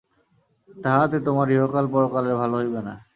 তাহাতে তোমার ইহকাল পরকালের ভালো হইবে না।